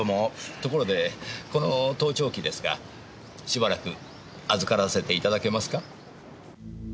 ところでこの盗聴器ですがしばらく預からせていただけますか？